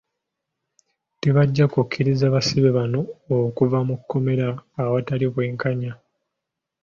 Tebajja kukkiriza basibe bano okuva mu kkomera awatali bwenkanya.